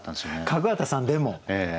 角幡さんでも？